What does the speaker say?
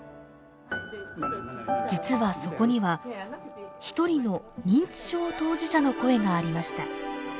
実はそこには一人の認知症当事者の声がありました。